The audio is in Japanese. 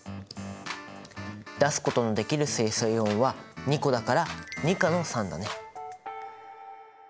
出すことのできる水素イオンは２個だから２価の酸だね。